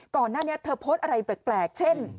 ก่อนหน้านี้เธอโพสต์อะไรแปลกเช่น